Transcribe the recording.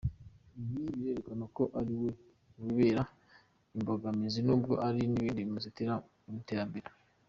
Ibi bikerekana ko ari we wibera imbigamizi nubwo hari ibindi bimuzitira mu iterambere.